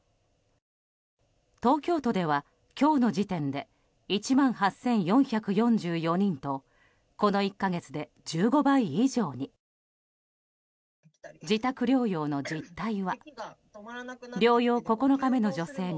東京都では今日の時点で１万８４４４人とこの１か月で１５倍以上に。